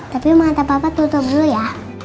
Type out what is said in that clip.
tapi mau kata papa tutup dulu ya